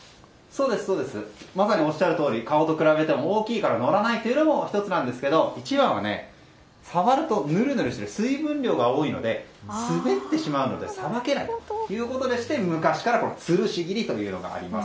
まさにおっしゃるとおり顔と比べても大きいからのらないというのも１つなんですが一番は、触るとぬるぬるしてて水分量が多いので滑ってしまうのでさばけないので昔から、つるし切りというのがあります。